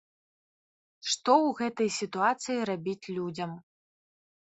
Што ў гэтай сітуацыі рабіць людзям?